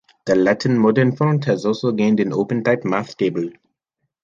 The Latin Modern font has also gained an OpenType math table.